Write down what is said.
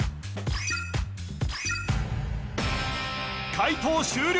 解答終了